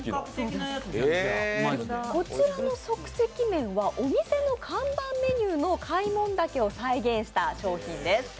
こちらの即席麺はお店の看板メニューの開聞岳を再現したメニューです。